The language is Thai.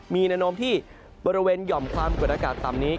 มีแนวโน้มที่บริเวณหย่อมความกดอากาศต่ำนี้